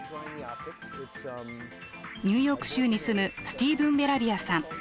ニューヨーク州に住むスティーブン・ベラビアさん。